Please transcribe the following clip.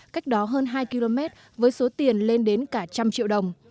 cách đó hơn hai km với số tiền lên đến cả một trăm linh triệu đồng